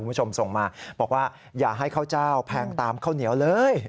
คุณผู้ชมส่งมาบอกว่าอย่าให้ข้าวเจ้าแพงตามข้าวเหนียวเลย